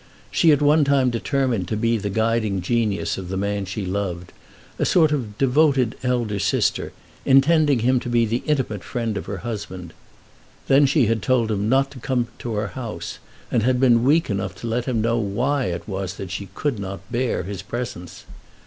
She at one time determined to be the guiding genius of the man she loved, a sort of devoted elder sister, intending him to be the intimate friend of her husband; then she had told him not to come to her house, and had been weak enough to let him know why it was that she could not bear his presence.